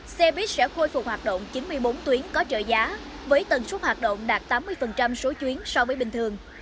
xe buýt sẽ khôi phục hoạt động chín mươi bốn tuyến có trợ giá với tần suất hoạt động đạt tám mươi số chuyến so với bình thường